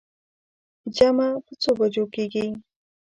جمعه په څو بجو کېږي.